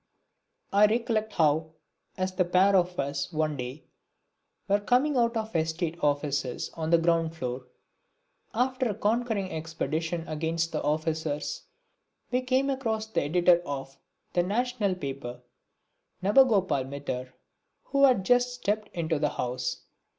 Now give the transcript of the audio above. I recollect how, as the pair of us, one day, were coming out of the estate offices on the ground floor, after a conquering expedition against the officers, we came across the editor of "The National Paper," Nabagopal Mitter, who had just stepped into the house.